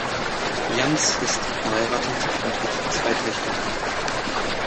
Jans ist verheiratet und hat zwei Töchter.